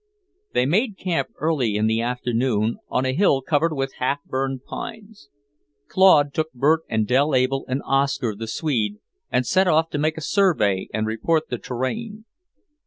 They made camp early in the afternoon, on a hill covered with half burned pines. Claude took Bert and Dell Able and Oscar the Swede, and set off to make a survey and report the terrain.